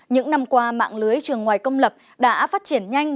những năm qua mạng lưới trường ngoài công lập đã phát triển nhanh